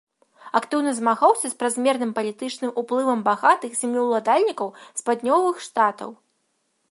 Актыўна змагаўся з празмерным палітычным уплывам багатых землеўладальнікаў з паўднёвых штатаў.